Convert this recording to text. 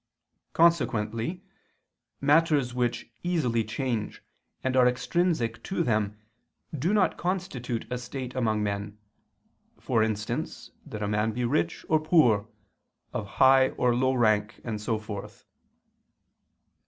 Consequently matters which easily change and are extrinsic to them do not constitute a state among men, for instance that a man be rich or poor, of high or low rank, and so forth.